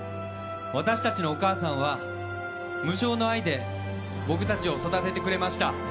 私たちのお母さんは無償の愛で僕たちを育ててくれました。